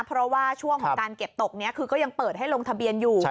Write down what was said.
เพราะว่าช่วงของการเก็บตกนี้คือก็ยังเปิดให้ลงทะเบียนอยู่